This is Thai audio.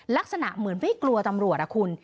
ลักษณะเหมือนไม่กลัวตำรวจคุณ